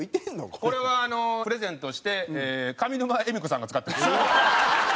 これはプレゼントして上沼恵美子さんが使っています。